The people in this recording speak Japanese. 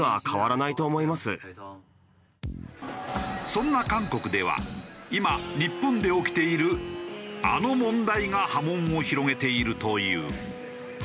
そんな韓国では今日本で起きているあの問題が波紋を広げているという。